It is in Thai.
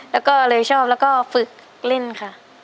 แล้วก็เลยชอบแล้วก็ฝึกเล่นค่ะ